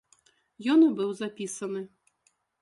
Ён і быў запісаны.